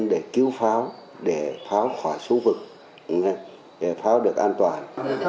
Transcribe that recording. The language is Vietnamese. để cứu pháo để pháo khỏi số vực để pháo được an toàn